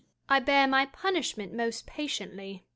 143 Jul, I bear my punishment most patiently.